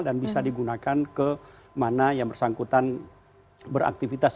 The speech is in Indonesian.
dan bisa digunakan ke mana yang bersangkutan beraktivitas